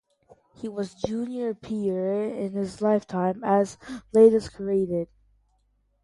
He was junior peer in his lifetime, as latest created.